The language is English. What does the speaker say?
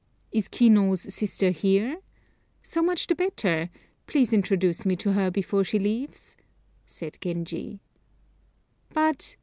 "Is Ki no's sister here? So much the better. Please introduce me to her before she leaves," said Genji. "But!"